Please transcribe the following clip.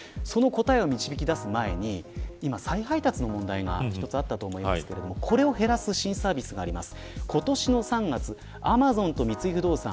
その答えを導き出す前に再配達の問題があったと思いますけれどもそれを減らす新サービスがあります。